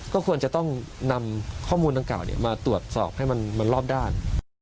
ก็ควรจะต้องนำข้อมูลดังกล่าวมาตรวจสอบให้มันรอบด้าน